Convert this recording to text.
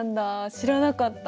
知らなかった。